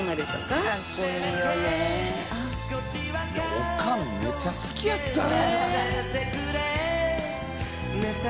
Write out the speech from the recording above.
おかんめっちゃ好きやったな。